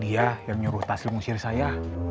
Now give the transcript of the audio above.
dia yang nyuruh tasli ngusir saya